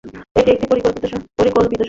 এটি একটি পরিকল্পিত শহর।